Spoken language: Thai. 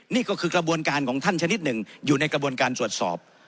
นี่ก็คือกระบวนการของท่านชนิดหนึ่งอยู่ในกระบวนการตรวจสอบ